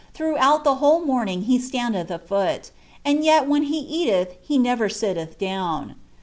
throughout the whole morning he standeth a foot, end yet wbei) he m elh he never Bitlelfa down.